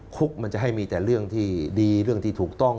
มันจะให้มีแต่เรื่องที่ดีเรื่องที่ถูกต้อง